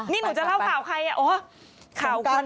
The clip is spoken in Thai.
นี่หนูจะเล่าข่าวใคร